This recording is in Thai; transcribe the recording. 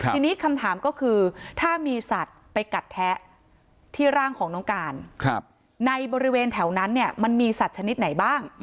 ทีนี้คำถามก็คือถ้ามีสัตว์ไปกัดแทะที่ร่างของน้องการในบริเวณแถวนั้นเนี่ยมันมีสัตว์ชนิดไหนบ้าง